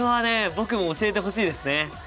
僕も教えてほしいですね！